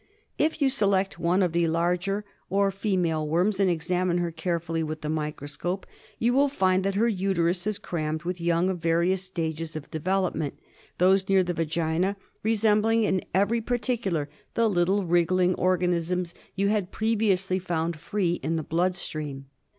If you select one of the larger or female worms and examine her carefully with the microscope, you will find that her uterus is crammed with young a£ various stages of development, those near the vagina resembling in every 66 FILARIASIS. particular the little wriggling organisms you had pre viously found free in the blood stream.